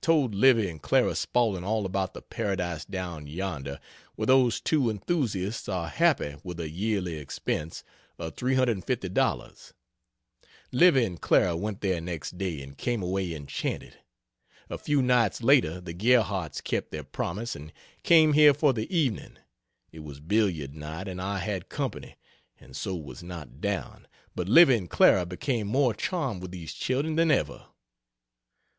Told Livy and Clara Spaulding all about the paradise down yonder where those two enthusiasts are happy with a yearly expense of $350. Livy and Clara went there next day and came away enchanted. A few nights later the Gerhardts kept their promise and came here for the evening. It was billiard night and I had company and so was not down; but Livy and Clara became more charmed with these children than ever.